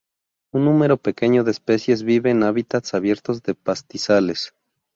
Un número pequeño de especies vive en hábitats abiertos de pastizales.